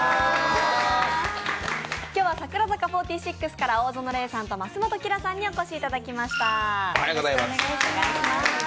今日は櫻坂４６から大園玲さんと増本綺良さんにお越しいただきました。